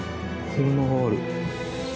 車がある。